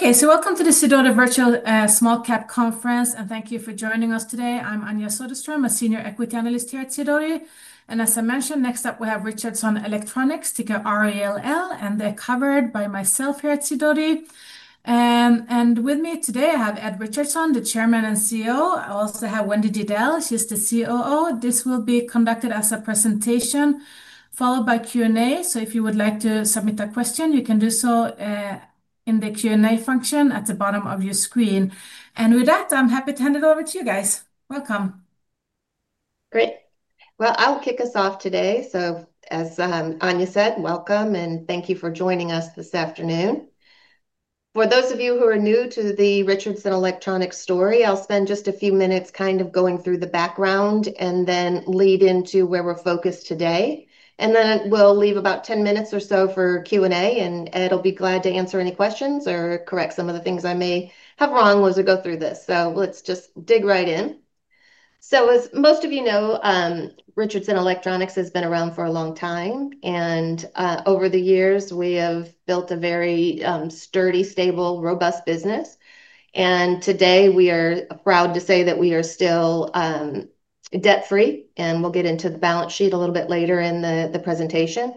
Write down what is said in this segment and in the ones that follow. Okay, so welcome to the Sidonia Virtual Small Cap Conference, and thank you for joining us today. I'm Anja Soderstrom, a Senior Equity Analyst here at Sidonia. As I mentioned, next up we have Richardson Electronics, ticker RELL, and they're covered by myself here at Sidonia. With me today, I have Edward J. Richardson, the Chairman and CEO. I also have Wendy Diddell, she's the COO. This will be conducted as a presentation followed by Q&A. If you would like to submit a question, you can do so in the Q&A function at the bottom of your screen. With that, I'm happy to hand it over to you guys. Welcome. Great. I'll kick us off today. As Anja said, welcome and thank you for joining us this afternoon. For those of you who are new to the Richardson Electronics story, I'll spend just a few minutes kind of going through the background and then lead into where we're focused today. We'll leave about 10 minutes or so for Q&A, and Ed will be glad to answer any questions or correct some of the things I may have wrong as we go through this. Let's just dig right in. As most of you know, Richardson Electronics has been around for a long time, and over the years, we have built a very sturdy, stable, robust business. Today, we are proud to say that we are still debt-free, and we'll get into the balance sheet a little bit later in the presentation.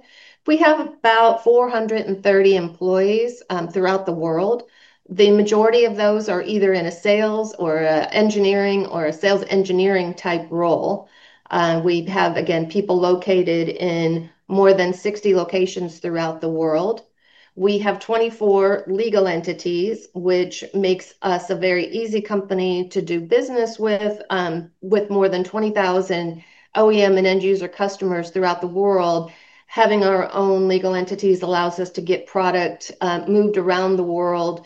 We have about 430 employees throughout the world. The majority of those are either in a sales or engineering or a sales engineering type role. We have people located in more than 60 locations throughout the world. We have 24 legal entities, which makes us a very easy company to do business with, with more than 20,000 OEM and end user customers throughout the world. Having our own legal entities allows us to get product moved around the world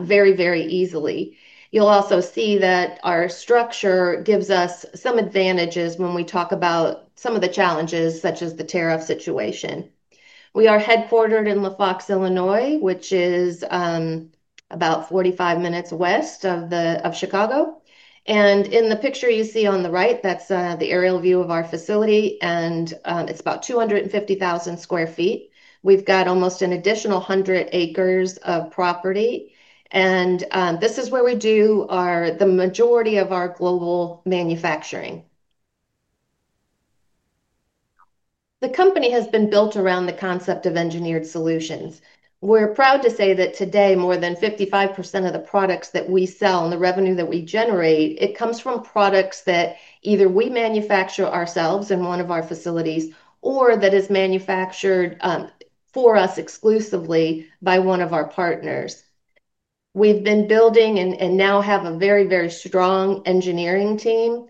very, very easily. You'll also see that our structure gives us some advantages when we talk about some of the challenges, such as the tariff situation. We are headquartered in Lafox, Illinois, which is about 45 minutes west of Chicago. In the picture you see on the right, that's the aerial view of our facility, and it's about 250,000 square feet. We've got almost an additional 100 acres of property, and this is where we do the majority of our global manufacturing. The company has been built around the concept of engineered solutions. We're proud to say that today, more than 55% of the products that we sell and the revenue that we generate comes from products that either we manufacture ourselves in one of our facilities or that are manufactured for us exclusively by one of our partners. We've been building and now have a very, very strong engineering team.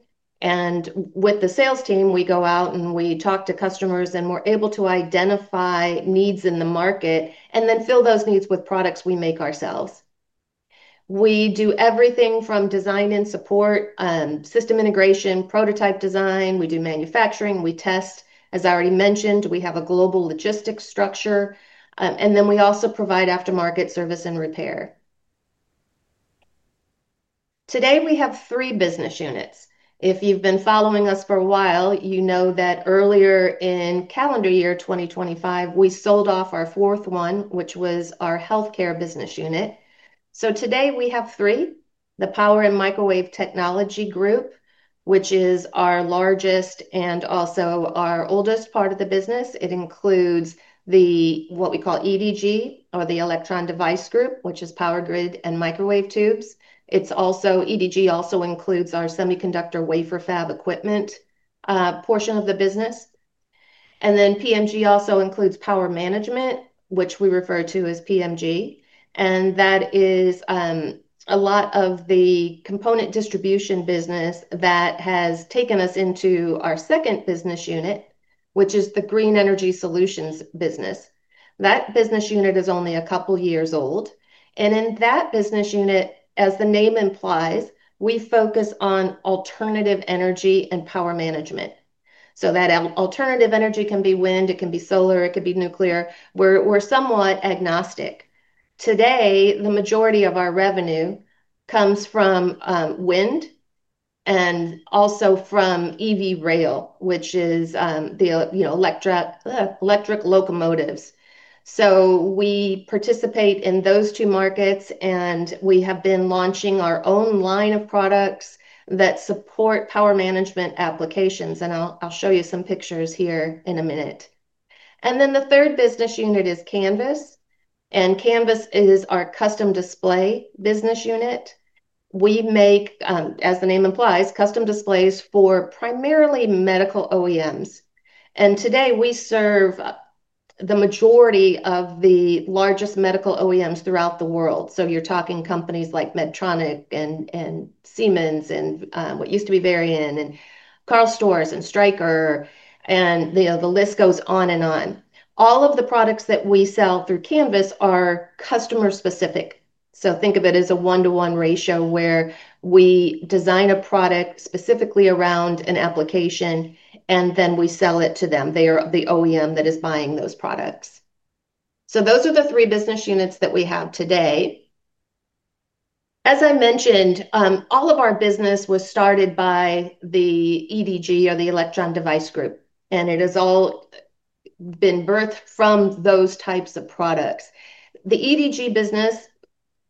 With the sales team, we go out and we talk to customers, and we're able to identify needs in the market and then fill those needs with products we make ourselves. We do everything from design and support, system integration, prototype design. We do manufacturing, we test, as I already mentioned, we have a global logistics structure, and we also provide aftermarket service and repair. Today, we have three business units. If you've been following us for a while, you know that earlier in calendar year 2025, we sold off our fourth one, which was our healthcare business unit. Today, we have three. The Power & Microwave Technologies group, which is our largest and also our oldest part of the business, includes what we call EDG, or the Electron Device Group, which is power grid and microwave tubes. EDG also includes our semiconductor wafer fab equipment portion of the business. PMG also includes power management, which we refer to as PMG, and that is a lot of the component distribution business that has taken us into our second business unit, which is the Green Energy Solutions business. That business unit is only a couple of years old. In that business unit, as the name implies, we focus on alternative energy and power management. That alternative energy can be wind, it can be solar, it could be nuclear. We're somewhat agnostic. Today, the majority of our revenue comes from wind and also from EV rail, which is the electric locomotives. We participate in those two markets, and we have been launching our own line of products that support power management applications. I'll show you some pictures here in a minute. The third business unit is Canvas. Canvas is our custom display business unit. We make, as the name implies, custom displays for primarily medical OEMs. Today, we serve the majority of the largest medical OEMs throughout the world. You're talking companies like Medtronic and Siemens and what used to be Verian and Carl Storz and Stryker, and the list goes on and on. All of the products that we sell through Canvas are customer specific. Think of it as a one-to-one ratio where we design a product specifically around an application, and then we sell it to them. They are the OEM that is buying those products. Those are the three business units that we have today. As I mentioned, all of our business was started by the EDG or the Electron Device Group, and it has all been birthed from those types of products. The EDG business,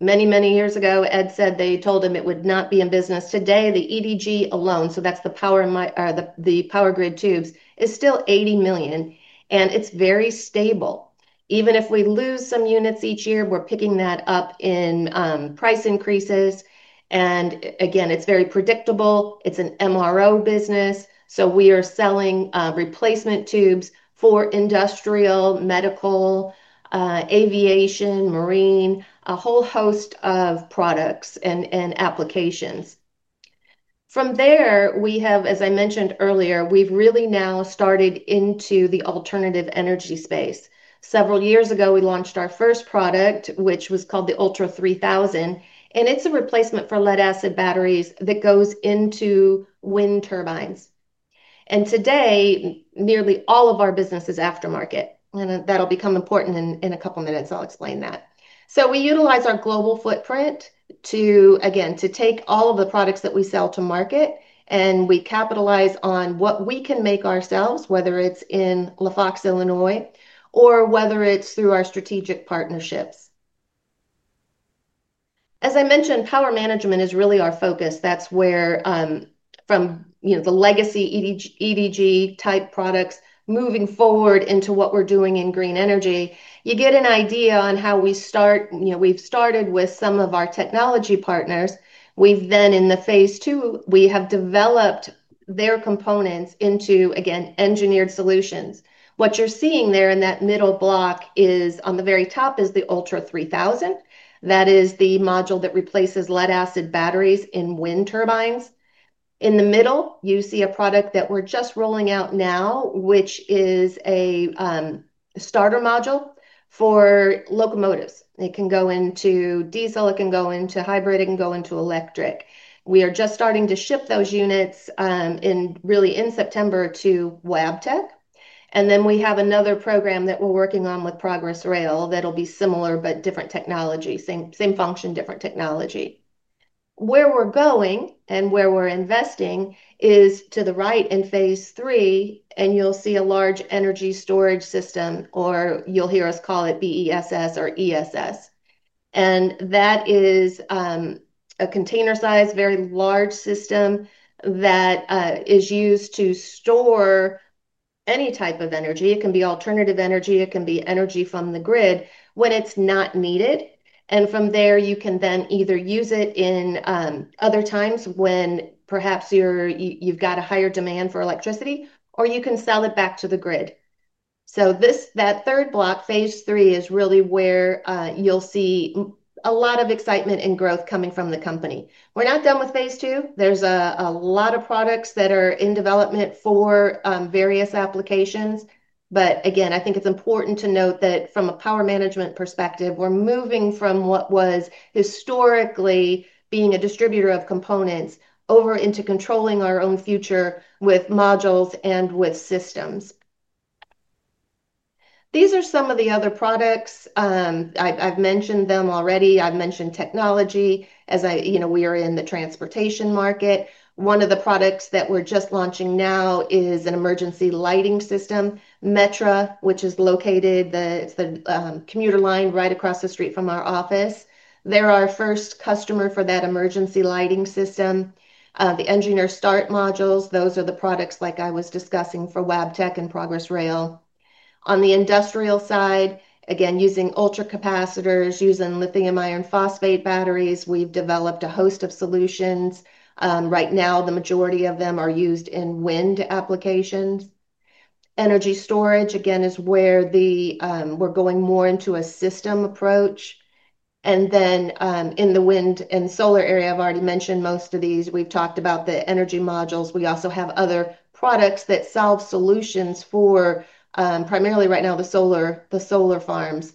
many, many years ago, Ed said they told him it would not be in business. Today, the EDG alone, so that's the power grid tubes, is still $80 million, and it's very stable. Even if we lose some units each year, we're picking that up in price increases. It's very predictable. It's an MRO business. We are selling replacement tubes for industrial, medical, aviation, marine, a whole host of products and applications. From there, as I mentioned earlier, we've really now started into the alternative energy space. Several years ago, we launched our first product, which was called the Ultra 3000. It's a replacement for lead acid batteries that goes into wind turbines. Today, nearly all of our business is aftermarket. That'll become important in a couple of minutes. I'll explain that. We utilize our global footprint to take all of the products that we sell to market. We capitalize on what we can make ourselves, whether it's in Lafox, Illinois, or through our strategic partnerships. As I mentioned, power management is really our focus. That's where, from the legacy Electron Device Group type products, moving forward into what we're doing in green energy, you get an idea on how we start. We've started with some of our technology partners. In phase two, we have developed their components into engineered solutions. What you're seeing there in that middle block is, on the very top, the Ultra 3000. That is the module that replaces lead acid batteries in wind turbines. In the middle, you see a product that we're just rolling out now, which is a starter module for locomotives. It can go into diesel, it can go into hybrid, it can go into electric. We are just starting to ship those units in September to Wabtec. We have another program that we're working on with Progress Rail that'll be similar, but different technology, same function, different technology. Where we're going and where we're investing is to the right in phase three, and you'll see a large energy storage system, or you'll hear us call it BESS or ESS. That is a container-sized, very large system that is used to store any type of energy. It can be alternative energy, it can be energy from the grid when it's not needed. From there, you can then either use it in other times when perhaps you've got a higher demand for electricity, or you can sell it back to the grid. That third block, phase three, is really where you'll see a lot of excitement and growth coming from the company. We're not done with phase two. There's a lot of products that are in development for various applications. I think it's important to note that from a power management perspective, we're moving from what was historically being a distributor of components over into controlling our own future with modules and with systems. These are some of the other products. I've mentioned them already. I've mentioned technology. We are in the transportation market. One of the products that we're just launching now is an emergency lighting system. Metra, which is located, it's the commuter line right across the street from our office, is our first customer for that emergency lighting system. The engineer start modules, those are the products like I was discussing for Wabtec and Progress Rail. On the industrial side, using ultra capacitors, using lithium-ion phosphate batteries, we've developed a host of solutions. Right now, the majority of them are used in wind applications. Energy storage is where we're going more into a system approach. In the wind and solar area, I've already mentioned most of these. We've talked about the energy modules. We also have other products that solve solutions for, primarily right now, the solar farms,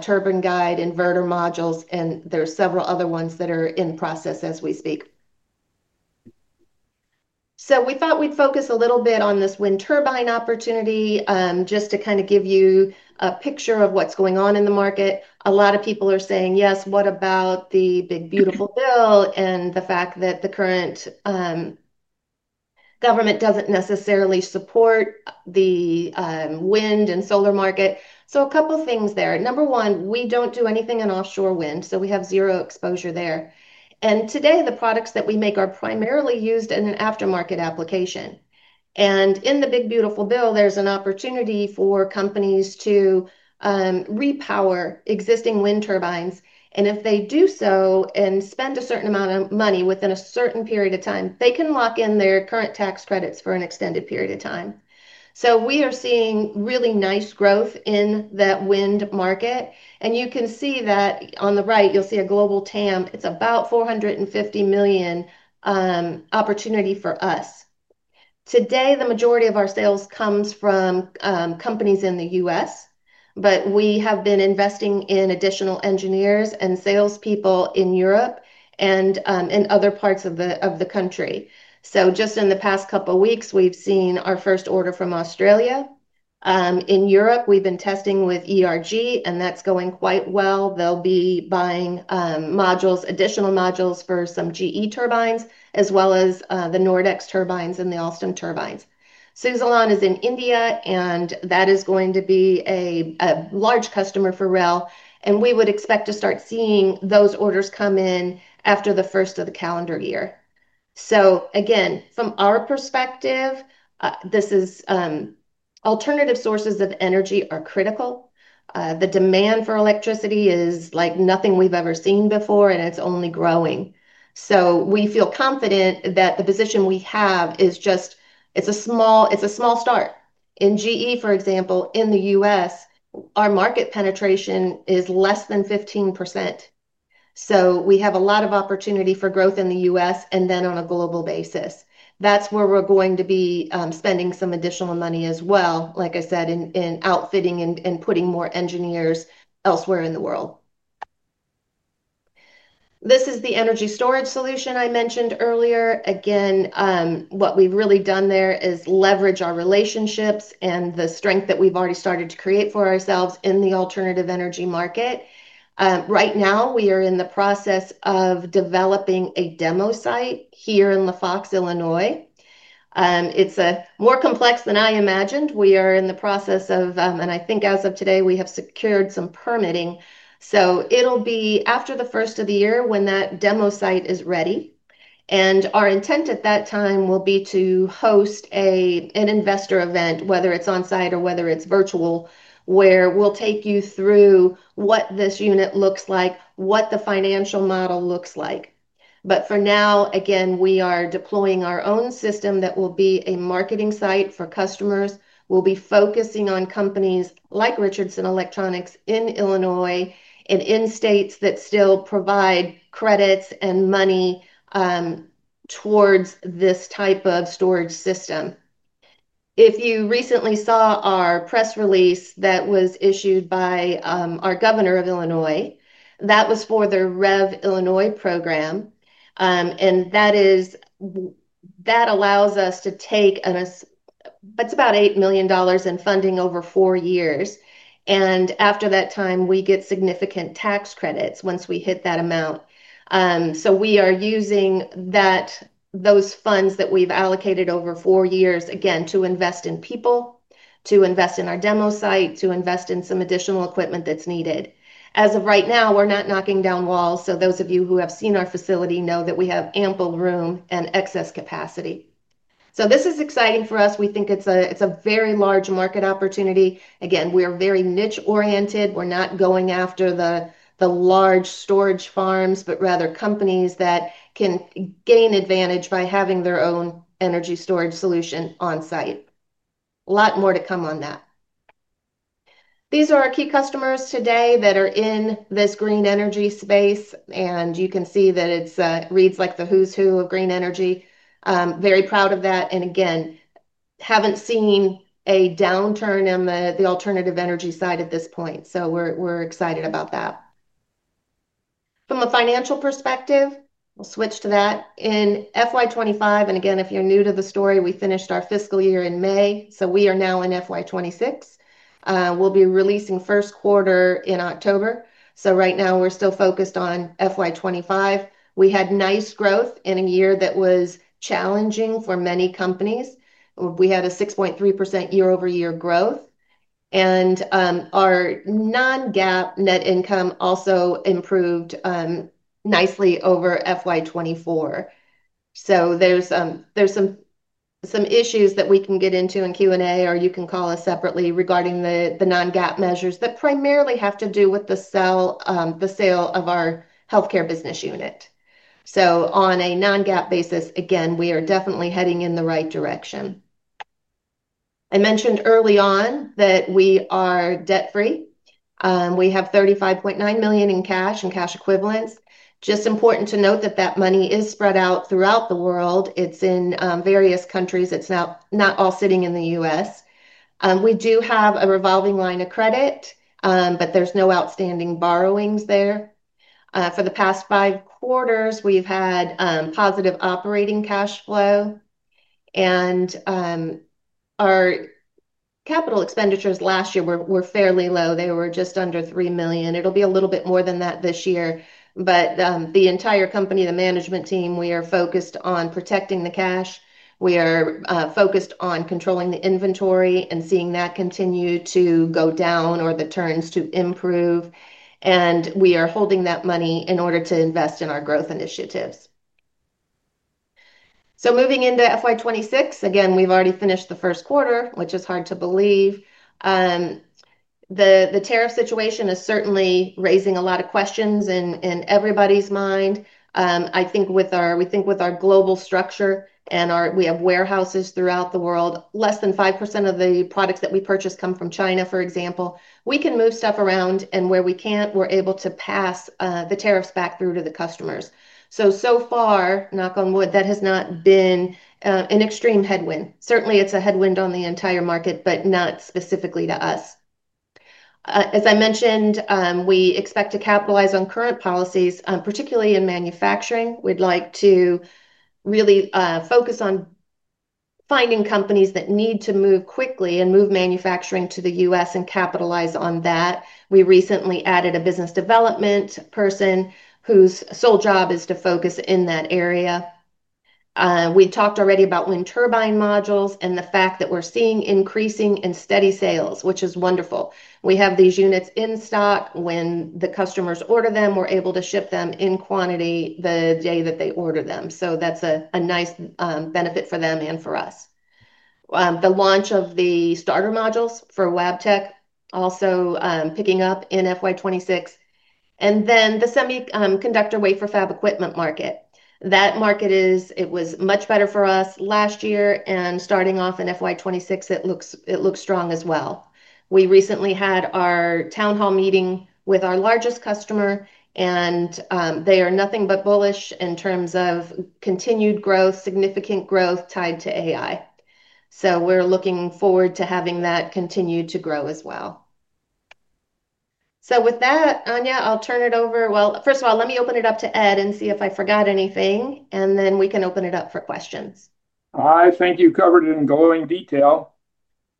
turbine guide, inverter modules, and there are several other ones that are in process as we speak. We thought we'd focus a little bit on this wind turbine opportunity just to kind of give you a picture of what's going on in the market. A lot of people are saying, yes, what about the big beautiful bill and the fact that the current government doesn't necessarily support the wind and solar market? A couple of things there. Number one, we don't do anything in offshore wind, so we have zero exposure there. Today, the products that we make are primarily used in an aftermarket application. In the big beautiful bill, there's an opportunity for companies to repower existing wind turbines. If they do so and spend a certain amount of money within a certain period of time, they can lock in their current tax credits for an extended period of time. We are seeing really nice growth in that wind market. You can see that on the right, you'll see a global TAM. It's about $450 million opportunity for us. Today, the majority of our sales comes from companies in the U.S., but we have been investing in additional engineers and salespeople in Europe and in other parts of the country. Just in the past couple of weeks, we've seen our first order from Australia. In Europe, we've been testing with ERG, and that's going quite well. They'll be buying modules, additional modules for some GE turbines, as well as the Nordex turbines and the Alstom turbines. Suzelan is in India, and that is going to be a large customer for Richardson Electronics. We would expect to start seeing those orders come in after the first of the calendar year. From our perspective, alternative sources of energy are critical. The demand for electricity is like nothing we've ever seen before, and it's only growing. We feel confident that the position we have is just, it's a small start. In GE, for example, in the U.S., our market penetration is less than 15%. We have a lot of opportunity for growth in the U.S. and then on a global basis. That's where we're going to be spending some additional money as well, like I said, in outfitting and putting more engineers elsewhere in the world. This is the energy storage solution I mentioned earlier. What we've really done there is leverage our relationships and the strength that we've already started to create for ourselves in the alternative energy market. Right now, we are in the process of developing a demo site here in Lafox, Illinois. It's more complex than I imagined. We are in the process of, and I think as of today, we have secured some permitting. It will be after the first of the year when that demo site is ready. Our intent at that time will be to host an investor event, whether it's on site or whether it's virtual, where we'll take you through what this unit looks like, what the financial model looks like. For now, we are deploying our own system that will be a marketing site for customers. We'll be focusing on companies like Richardson Electronics in Illinois and in states that still provide credits and money towards this type of storage system. If you recently saw our press release that was issued by our governor of Illinois, that was for the REV Illinois program. That allows us to take about $8 million in funding over four years. After that time, we get significant tax credits once we hit that amount. We are using those funds that we've allocated over four years to invest in people, to invest in our demo site, to invest in some additional equipment that's needed. As of right now, we're not knocking down walls. Those of you who have seen our facility know that we have ample room and excess capacity. This is exciting for us. We think it's a very large market opportunity. Again, we are very niche-oriented. We're not going after the large storage farms, but rather companies that can gain advantage by having their own energy storage solution on site. A lot more to come on that. These are our key customers today that are in this green energy space. You can see that it reads like the who's who of green energy. Very proud of that. Again, haven't seen a downturn in the alternative energy side at this point. We're excited about that. From a financial perspective, we'll switch to that. In FY2025, and again, if you're new to the story, we finished our fiscal year in May. We are now in FY2026. We'll be releasing first quarter in October. Right now, we're still focused on FY2025. We had nice growth in a year that was challenging for many companies. We had a 6.3% year-over-year growth. Our non-GAAP net income also improved nicely over FY2024. There are some issues that we can get into in Q&A, or you can call us separately regarding the non-GAAP measures that primarily have to do with the sale of our healthcare business unit. On a non-GAAP basis, we are definitely heading in the right direction. I mentioned early on that we are debt-free. We have $35.9 million in cash and cash equivalents. It's important to note that that money is spread out throughout the world. It's in various countries. It's not all sitting in the U.S. We do have a revolving line of credit, but there's no outstanding borrowings there. For the past five quarters, we've had positive operating cash flow. Our capital expenditures last year were fairly low. They were just under $3 million. It'll be a little bit more than that this year. The entire company, the management team, we are focused on protecting the cash. We are focused on controlling the inventory and seeing that continue to go down or the turns to improve. We are holding that money in order to invest in our growth initiatives. Moving into FY2026, we've already finished the first quarter, which is hard to believe. The tariff situation is certainly raising a lot of questions in everybody's mind. I think with our global structure and we have warehouses throughout the world, less than 5% of the products that we purchase come from China, for example. We can move stuff around, and where we can't, we're able to pass the tariffs back through to the customers. So far, knock on wood, that has not been an extreme headwind. Certainly, it's a headwind on the entire market, but not specifically to us. As I mentioned, we expect to capitalize on current policies, particularly in manufacturing. We'd like to really focus on finding companies that need to move quickly and move manufacturing to the U.S. and capitalize on that. We recently added a business development person whose sole job is to focus in that area. We talked already about wind turbine modules and the fact that we're seeing increasing and steady sales, which is wonderful. We have these units in stock. When the customers order them, we're able to ship them in quantity the day that they order them. That's a nice benefit for them and for us. The launch of the starter modules for Wabtec is also picking up in FY2026. The semiconductor wafer fab equipment market was much better for us last year. Starting off in FY2026, it looks strong as well. We recently had our town hall meeting with our largest customer, and they are nothing but bullish in terms of continued growth, significant growth tied to AI. We're looking forward to having that continue to grow as well. With that, Anja, I'll turn it over. First of all, let me open it up to Ed and see if I forgot anything, and then we can open it up for questions. All right, thank you. Covered it in glowing detail.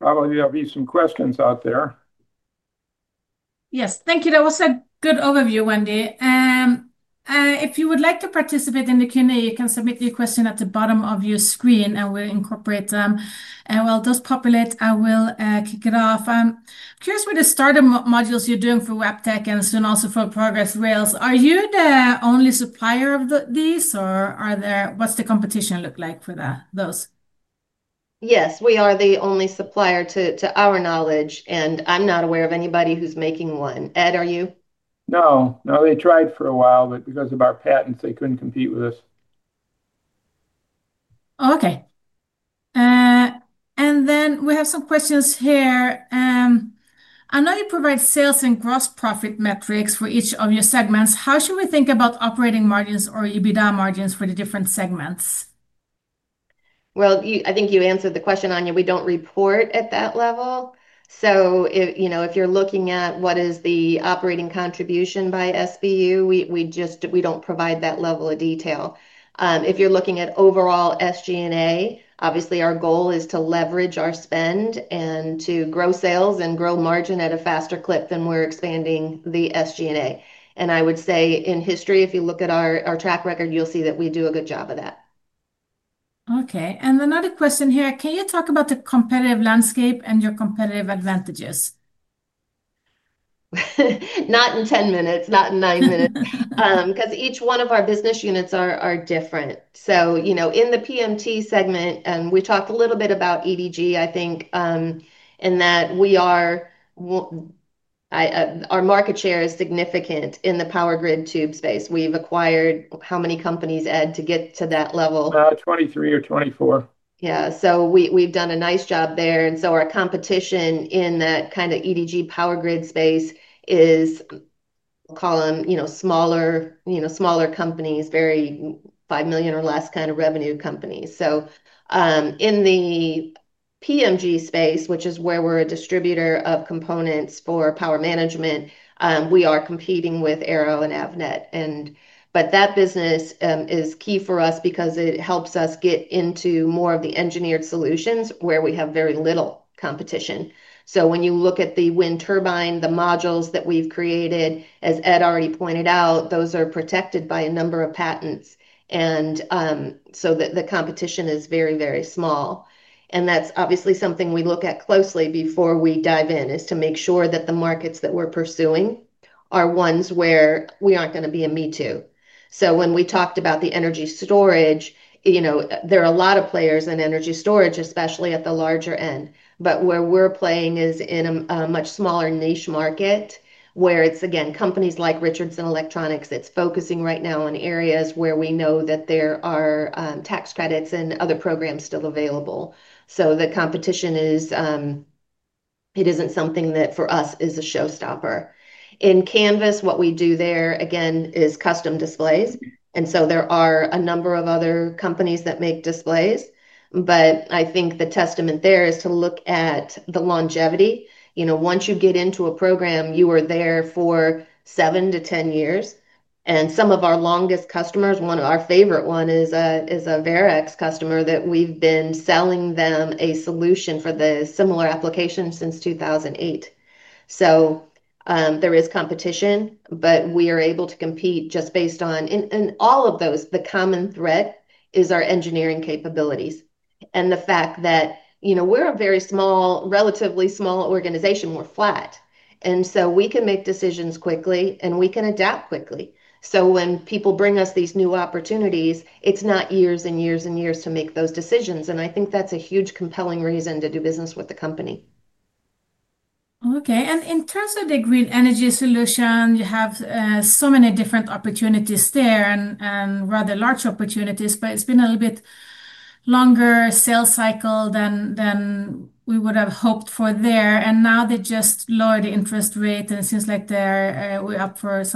Probably there'll be some questions out there. Yes, thank you. That was a good overview, Wendy. If you would like to participate in the Q&A, you can submit your question at the bottom of your screen, and we'll incorporate them. While those populate, I will kick it off. I'm curious what the starter modules you're doing for Wabtec and soon also for Progress Rail. Are you the only supplier of these, or what's the competition look like for those? Yes, we are the only supplier to our knowledge, and I'm not aware of anybody who's making one. Ed, are you? No, they tried for a while, but because of our patents, they couldn't compete with us. Okay. We have some questions here. I know you provide sales and gross profit metrics for each of your segments. How should we think about operating margins or EBITDA margins for the different segments? I think you answered the question, Anja. We don't report at that level. If you're looking at what is the operating contribution by SBU, we just don't provide that level of detail. If you're looking at overall SG&A, obviously our goal is to leverage our spend and to grow sales and grow margin at a faster clip than we're expanding the SG&A. I would say in history, if you look at our track record, you'll see that we do a good job of that. Okay. Another question here. Can you talk about the competitive landscape and your competitive advantages? Not in 10 minutes, not in 9 minutes, because each one of our business units are different. In the PMT segment, we talked a little bit about EDG, I think, in that our market share is significant in the power grid tube space. We've acquired how many companies, Ed, to get to that level? About 23 or 24. Yeah. We've done a nice job there. Our competition in the kind of Electron Device Group power grid space is, we'll call them, you know, smaller companies, very $5 million or less kind of revenue companies. In the Power & Microwave Technologies space, which is where we're a distributor of components for power management, we are competing with Arrow and Avnet. That business is key for us because it helps us get into more of the engineered solutions where we have very little competition. When you look at the wind turbine, the modules that we've created, as Ed already pointed out, those are protected by a number of patents. The competition is very, very small. That's obviously something we look at closely before we dive in, to make sure that the markets that we're pursuing are ones where we aren't going to be a me too. When we talked about the energy storage, there are a lot of players in energy storage, especially at the larger end. Where we're playing is in a much smaller niche market, where it's, again, companies like Richardson Electronics. It's focusing right now on areas where we know that there are tax credits and other programs still available. The competition isn't something that for us is a showstopper. In Canvas, what we do there, again, is custom displays. There are a number of other companies that make displays. I think the testament there is to look at the longevity. Once you get into a program, you are there for 7 to 10 years. Some of our longest customers, one of our favorite ones, is a Verx customer that we've been selling them a solution for the similar application since 2008. There is competition, but we are able to compete just based on, in all of those, the common thread is our engineering capabilities. The fact that, you know, we're a very small, relatively small organization. We're flat. We can make decisions quickly, and we can adapt quickly. When people bring us these new opportunities, it's not years and years and years to make those decisions. I think that's a huge compelling reason to do business with the company. Okay. In terms of the Green Energy Solutions, you have so many different opportunities there and rather large opportunities, but it's been a little bit longer sales cycle than we would have hoped for there. Now they just lowered the interest rate, and it seems like we're up for a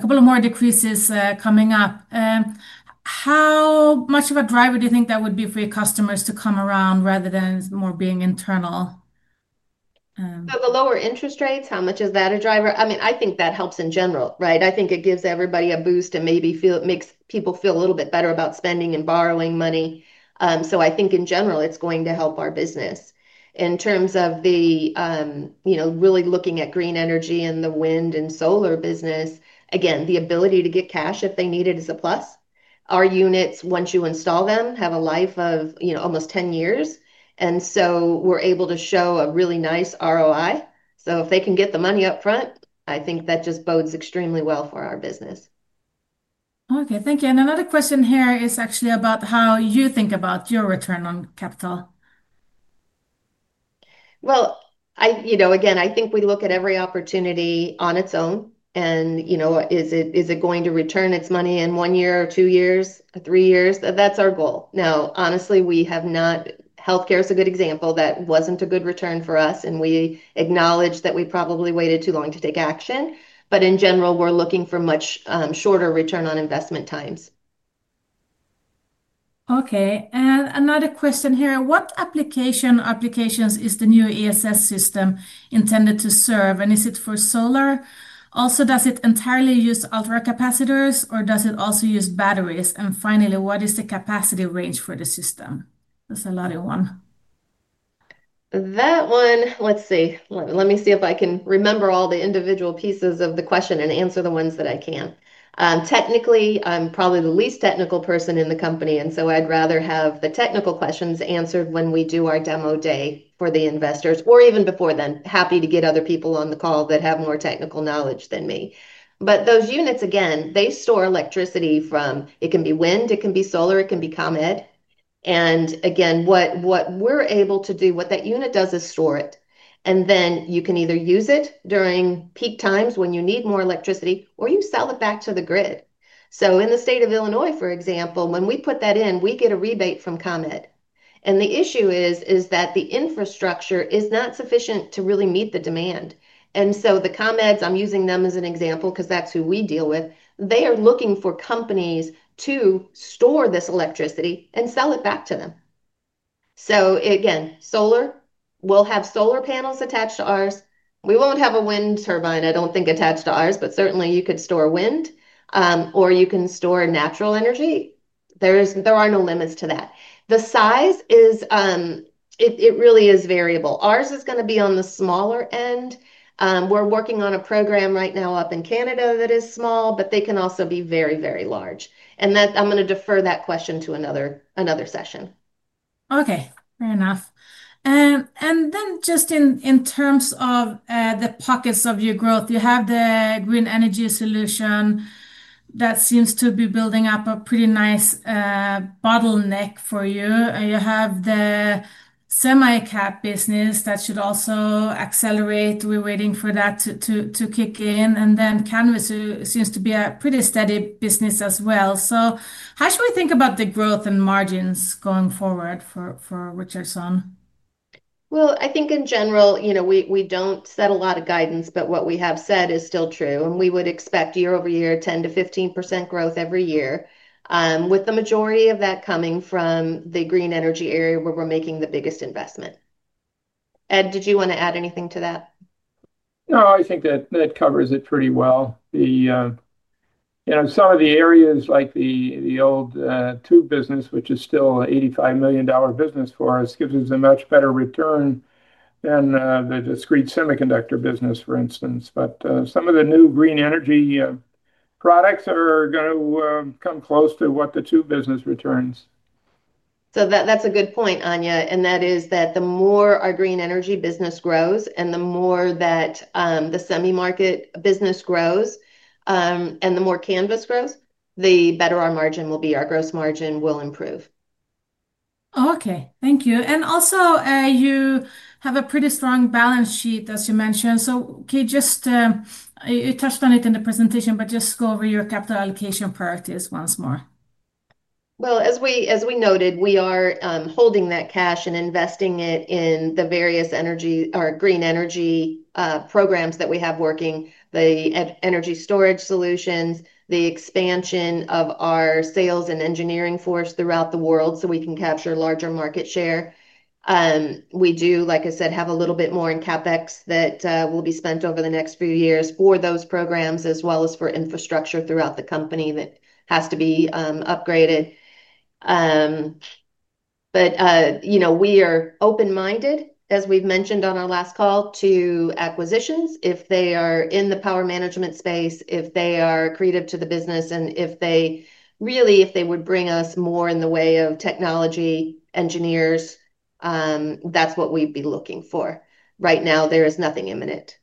couple of more decreases coming up. How much of a driver do you think that would be for your customers to come around rather than more being internal? The lower interest rates, how much is that a driver? I mean, I think that helps in general, right? I think it gives everybody a boost and maybe makes people feel a little bit better about spending and borrowing money. I think in general, it's going to help our business. In terms of really looking at green energy and the wind and solar business, again, the ability to get cash if they need it is a plus. Our units, once you install them, have a life of almost 10 years, and we're able to show a really nice ROI. If they can get the money up front, I think that just bodes extremely well for our business. Thank you. Another question here is actually about how you think about your return on capital. I think we look at every opportunity on its own. You know, is it going to return its money in one year or two years, three years? That's our goal. Honestly, we have not, healthcare is a good example. That wasn't a good return for us. We acknowledge that we probably waited too long to take action. In general, we're looking for much shorter return on investment times. Okay. Another question here. What application or applications is the new ESS system intended to serve? Is it for solar? Also, does it entirely use ultra capacitors, or does it also use batteries? Finally, what is the capacity range for the system? That's a lot of one. Let me see if I can remember all the individual pieces of the question and answer the ones that I can. Technically, I'm probably the least technical person in the company, and I'd rather have the technical questions answered when we do our demo day for the investors, or even before then. Happy to get other people on the call that have more technical knowledge than me. Those units, again, they store electricity from, it can be wind, it can be solar, it can be ComEd. What we're able to do, what that unit does is store it. You can either use it during peak times when you need more electricity, or you sell it back to the grid. In the state of Illinois, for example, when we put that in, we get a rebate from ComEd. The issue is that the infrastructure is not sufficient to really meet the demand. The ComEds, I'm using them as an example because that's who we deal with, are looking for companies to store this electricity and sell it back to them. Solar, we'll have solar panels attached to ours. We won't have a wind turbine, I don't think, attached to ours, but certainly you could store wind, or you can store natural energy. There are no limits to that. The size is, it really is variable. Ours is going to be on the smaller end. We're working on a program right now up in Canada that is small, but they can also be very, very large. I'm going to defer that question to another session. Okay. Fair enough. In terms of the pockets of your growth, you have the Green Energy Solutions that seems to be building up a pretty nice bottleneck for you. You have the semi-cap business that should also accelerate. We're waiting for that to kick in. Canvas seems to be a pretty steady business as well. How should we think about the growth and margins going forward for Richardson Electronics? I think in general, you know, we don't set a lot of guidance, but what we have said is still true. We would expect year over year 10% to 15% growth every year, with the majority of that coming from the green energy area where we're making the biggest investment. Ed, did you want to add anything to that? No, I think that covers it pretty well. You know, some of the areas like the old tube business, which is still an $85 million business for us, gives us a much better return than the discrete semiconductor business, for instance. Some of the new green energy products are going to come close to what the tube business returns. That's a good point, Anja, and that is that the more our green energy business grows and the more that the semi-market business grows and the more Canvas grows, the better our margin will be. Our gross margin will improve. Thank you. You have a pretty strong balance sheet, as you mentioned. Can you just, you touched on it in the presentation, go over your capital allocation priorities once more? As we noted, we are holding that cash and investing it in the various energy or green energy programs that we have working, the energy storage solutions, the expansion of our sales and engineering force throughout the world so we can capture larger market share. We do, like I said, have a little bit more in CapEx that will be spent over the next few years for those programs, as well as for infrastructure throughout the company that has to be upgraded. You know, we are open-minded, as we've mentioned on our last call, to acquisitions if they are in the power management space, if they are accretive to the business, and if they really, if they would bring us more in the way of technology, engineers, that's what we'd be looking for. Right now, there is nothing imminent.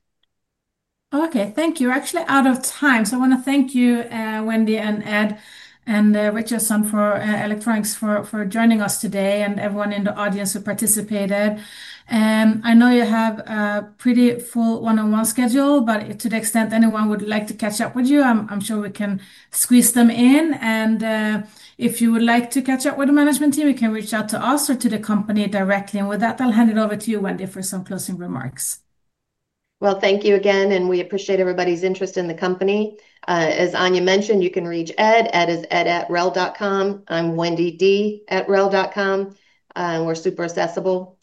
Okay. Thank you. We're actually out of time. I want to thank you, Wendy and Ed and Richardson Electronics for joining us today and everyone in the audience who participated. I know you have a pretty full one-on-one schedule. To the extent anyone would like to catch up with you, I'm sure we can squeeze them in. If you would like to catch up with the management team, you can reach out to us or to the company directly. With that, I'll hand it over to you, Wendy, for some closing remarks. Thank you again, and we appreciate everybody's interest in the company. As Anja mentioned, you can reach Ed. Ed is ed@rel.com. I'm wendy.d@rel.com. We're super accessible.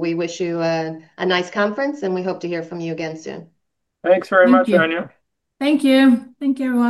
We wish you a nice conference, and we hope to hear from you again soon. Thanks very much, Anja. Thank you. Thank you, everyone.